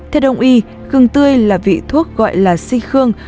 theo đồng ý gừng tươi là vị thuốc gọi là sinh khương